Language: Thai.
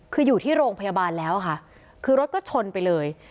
คืออยู่ที่โรงพยาบาลแล้วค่ะคือรถก็ชนไปเลย